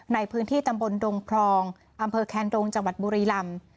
ในพื้นที่ตำบลดงพรองอำเภอแคนดงจังหวัดบุรีลำ